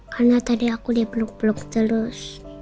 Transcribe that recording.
karena tadi aku dipeluk peluk terus